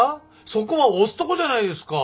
そこは押すとこじゃないですか。